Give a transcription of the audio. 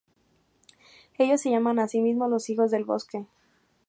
Ellos se llaman a sí mismos los "hijos del bosque".